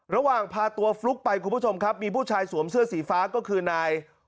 ระหว่างพาตัวฟลุ๊กไปคุณผู้ชมครับมีผู้ชายสวมเสื้อสีฟ้าก็คือนาย